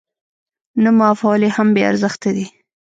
نه معافول يې هم بې ارزښته دي.